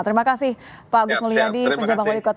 terima kasih pak agus mulyadi penjabat melikot